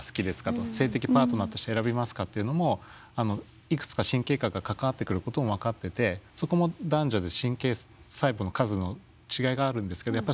性的パートナーとして選びますかっていうのもいくつか神経核が関わってくることも分かっててそこも男女で神経細胞の数の違いがあるんですけどやっぱりそれもグラデーションになってて